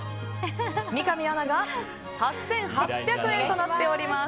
三上アナが８８００円となっております。